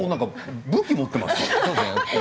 武器を持っていますよ。